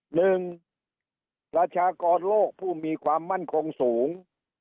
ประชากรโลกผู้มีความมั่นคงสูง